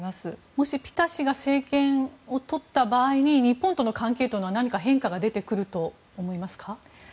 もしピタ氏が政権をとった場合に日本との関係というのは何か変化が出てくると思いますか。